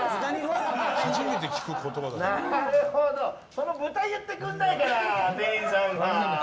その豚を言ってくれないから店員さんが。